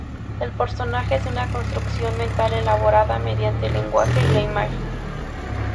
El personaje es una construcción mental elaborada mediante el lenguaje y la imagen.